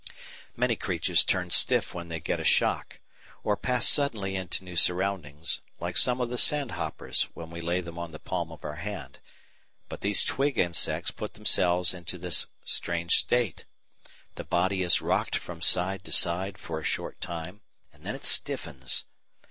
Many creatures turn stiff when they get a shock, or pass suddenly into new surroundings, like some of the sand hoppers when we lay them on the palm of our hand; but these twig insects put themselves into this strange state. The body is rocked from side to side for a short time, and then it stiffens.